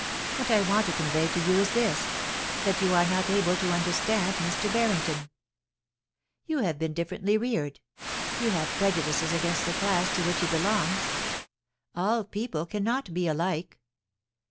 What I want to convey to you is this, that you are not able to understand Mr. Barrington. You have been differently reared — you have prejudices against the class to which he belongs. All people cannot be alike.'